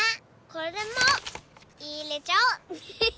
これもいれちゃおう！